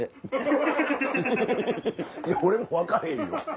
いや俺も分かれへん。